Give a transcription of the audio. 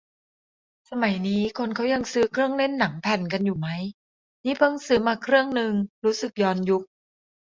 สมัยนี้คนเขายังซื้อเครื่องเล่นหนังแผ่นกันอยู่ไหม นี่เพิ่งซื้อมาเครื่องนึง รู้สึกย้อนยุค